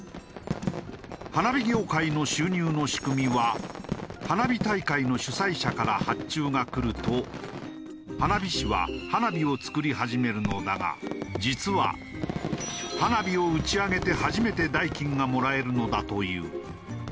花火業界の収入の仕組みは花火大会の主催者から発注がくると花火師は花火を作り始めるのだが実は花火を打ち上げて初めて代金がもらえるのだという。